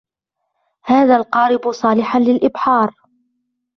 هذا القارب صالحاً للإبحار.